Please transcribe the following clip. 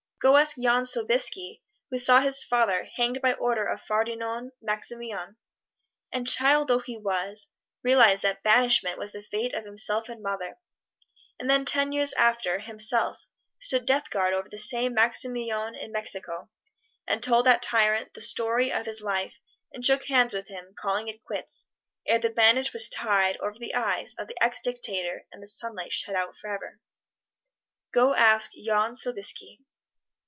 Go ask John Sobieski, who saw his father hanged by order of Ferdinand Maximilian, and child though he was, realized that banishment was the fate of himself and mother; and then ten years after, himself, stood death guard over this same Maximilian in Mexico, and told that tyrant the story of his life, and shook hands with him, calling it quits, ere the bandage was tied over the eyes of the ex dictator and the sunlight shut out forever. Go ask John Sobieski!